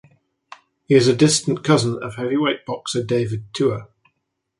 He is a distant cousin of heavyweight boxer David Tua.